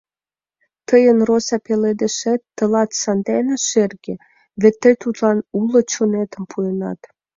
— Тыйын роза пеледышет тылат сандене шерге — вет тый тудлан уло чонетым пуэнат.